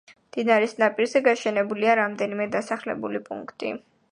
მდინარის ნაპირზე გაშენებულია რამდენიმე დასახლებული პუნქტი.